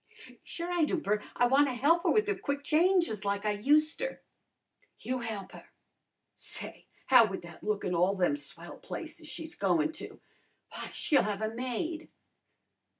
"Sure I do, Bert. I wanna he'p her with her quick changes like I useter." "You he'p her! Say, how would that look in all them swell places she's goin' to? W'y, she'll have a maid!"